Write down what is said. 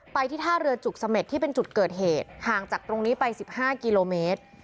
ที่ท่าเรือจุกเสม็ดที่เป็นจุดเกิดเหตุห่างจากตรงนี้ไป๑๕กิโลเมตร